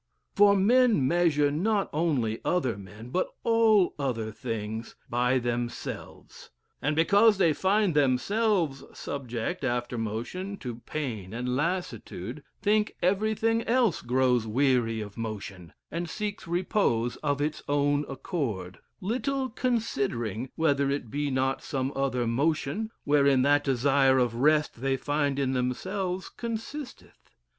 For men measure not only other men, but all other things, by themselves; and because they find themselves subject after motion to pain and lassitude, think everything else grows weary of motion, and seeks repose of its own accord little considering whether it be not some other motion, wherein that desire of rest they find in themselves consisteth....